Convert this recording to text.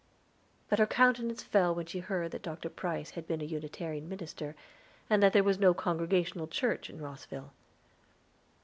But her countenance fell when she heard that Dr. Price had been a Unitarian minister, and that there was no Congregational church in Rosville.